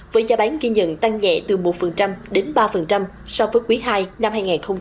với giá bán ghi nhận tăng nhẹ từ một đến ba so với quý ii năm hai nghìn hai mươi ba